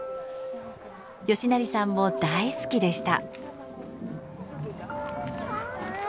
嘉成さんも大好きでした。